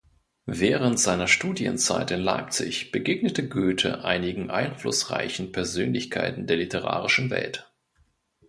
Während seiner Studienzeit in Leipzig begegnete Goethe einigen einflussreichen Persönlichkeiten der literarischen Welt.